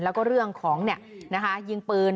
แล้วก็เรื่องของยิงปืน